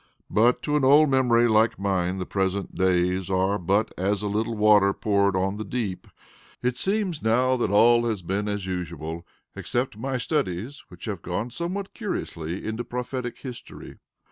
But to an old memory like mine the present days are but as a little water poured on the deep. It seems now that all has been as usual, except my studies, which have gone somewhat curiously into prophetic history.